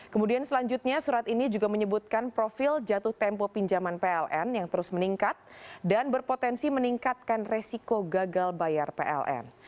kemudian selanjutnya surat ini juga menyebutkan profil jatuh tempo pinjaman pln yang terus meningkat dan berpotensi meningkatkan resiko gagal bayar pln